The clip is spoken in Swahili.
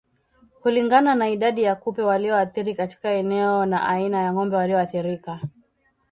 Kulingana na idadi ya kupe walioathirika katika eneo na aina ya ng'ombe walioathirika